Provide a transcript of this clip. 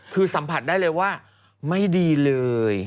คือสัมผัสได้เลยว่าไม่ดีเลย